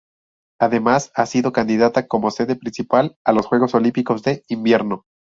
Además, ha sido candidata como sede principal a los Juegos Olímpicos de Invierno.